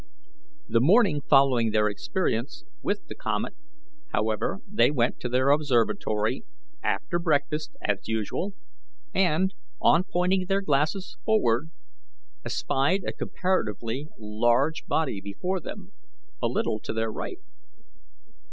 The morning following their experience with the comet, however, they went to their observatory after breakfast as usual, and, on pointing their glasses forward, espied a comparatively large body before them, a little to their right.